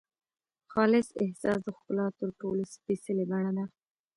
خالص احساس د ښکلا تر ټولو سپېڅلې بڼه ده.